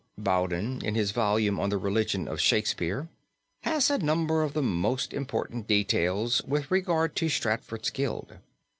Bowden, in his volume on the Religion of Shakespeare, has a number of the most important details with regard to Stratford's Guild.